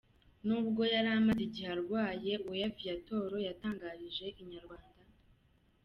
Nubwo yari amaze igihe arwaye, Weya Viatora yatangarije inyarwanda.